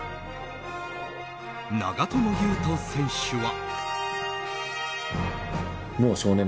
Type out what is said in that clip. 長友佑都選手は。